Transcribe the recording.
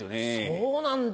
そうなんだ。